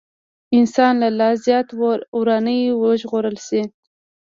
انسان له لا زيات وراني وژغورل شي.